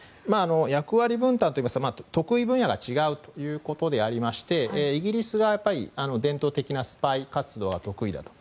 役割分担といいますか得意分野が違うということでありましてイギリスは伝統的なスパイ活動が得意だと。